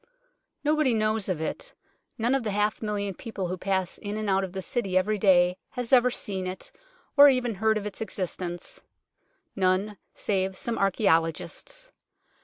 Nobody knows of it, none of the half million people who pass in and out of the City every day has ever seen it, or even heard of its existence none save some archaeologists.